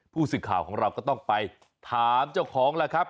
ผู้สื่อข่าวของเราก็ต้องไปถามเจ้าของแล้วครับ